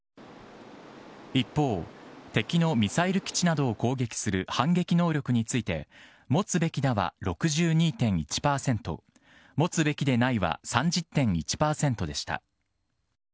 一方、敵のミサイル基地などを攻撃する反撃能力について持つべきだは６２．１％持つべきでないは３０．１％でした。